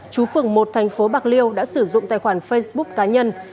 chú phường một thành phố bạc liêu đã sử dụng tài khoản facebook cá nhân